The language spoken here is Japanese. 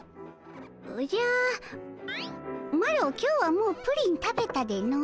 おじゃマロ今日はもうプリン食べたでの。